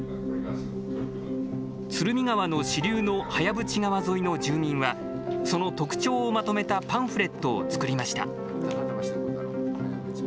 鶴見川の支流の、早淵川沿いの住民はその特徴をまとめたパンフレットを作りました。